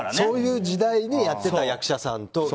そういう時代にやってた役者さんと。